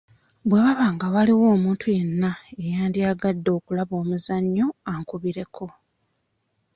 Bwe waba nga waliwo omuntu yenna eyandyagadde okulaba omuzannyo ankubireko.